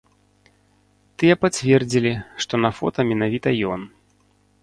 Тыя пацвердзілі, што на фота менавіта ён.